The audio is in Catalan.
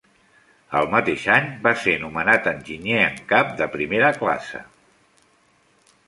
Al mateix any, va ser nomenat enginyer en cap de primera classe.